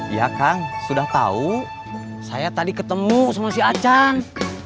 iya kang sudah tahu saya tadi ketemu sama si acan